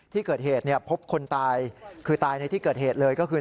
ที่เกิดเหตุพบคนตายคือตายในที่เกิดเหตุเลยก็คือ